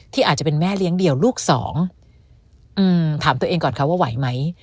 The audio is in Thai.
อาจจะเป็นแม่เลี้ยงเดี่ยวลูกสองถามตัวเองก่อนค่ะว่าไหวไหม